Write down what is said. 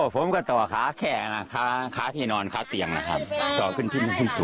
ผมก็ต่อขาแขกน่ะขาขาที่นอนขาเตียงนะครับต่อขึ้นที่สูงหน่อยครับ